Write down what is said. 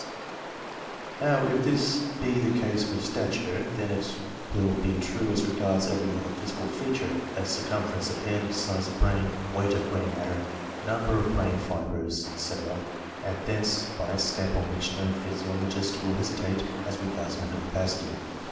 28 CLASSIFICATION OF MEN Now, if this be the case with stature, then it will be true as regards every other physical feature as circum ference of head, size of brain, weight of grey matter, number of brain fibres, &c. ; and thence, by a step on which no physiologist will hesitate, as regards mental capacity.